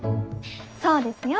そうですよ。